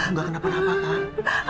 nggak kenapa kenapa pak